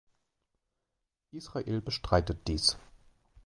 Israel bestreitet dies.